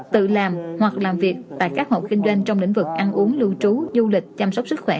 tự làm hoặc làm việc tại các hộ kinh doanh trong lĩnh vực ăn uống lưu trú du lịch chăm sóc sức khỏe